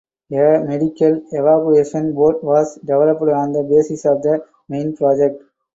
A medical evacuation boat was developed on the basis of the main project.